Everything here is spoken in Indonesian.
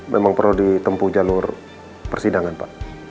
memang perlu ditempuh jalur persidangan pak